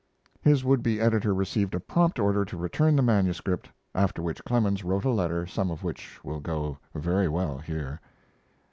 His would be editor received a prompt order to return the manuscript, after which Clemens wrote a letter, some of which will go very well here.